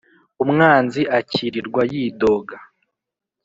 Umwanzi akirirwa yidoga